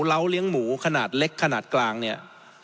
เล้าเลี้ยงหมูขนาดเล็กขนาดกลางเนี่ย